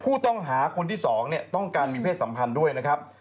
ผู้ต้องหาคนที่๒เนี่ยต้องการมีเพศสัมพันธ์ด้วยนะครับ